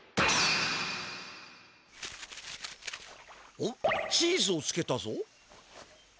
おっチーズをつけたぞ？